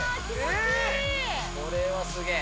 これはすげぇ。